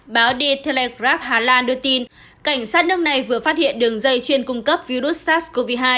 báo detlegrab hà lan đưa tin cảnh sát nước này vừa phát hiện đường dây chuyên cung cấp virus sars cov hai